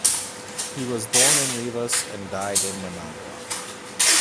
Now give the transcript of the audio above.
He was born in Rivas and died in Managua.